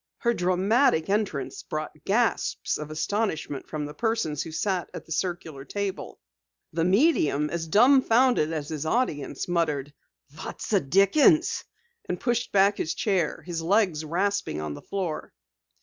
Her dramatic entrance brought gasps of astonishment from the persons who sat at the circular table. The medium, as dumbfounded as his audience muttered: "What the dickens!" and pushed back his chair, his legs rasping on the floor.